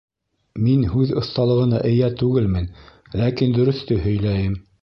Мин һүҙ оҫталығына эйә түгелмен, ләкин дөрөҫтө һөйләйем.